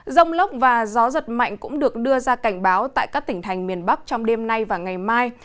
rông lốc và gió giật mạnh cũng được đưa ra cảnh báo tại các tỉnh thành miền bắc trong đêm nay và ngày mai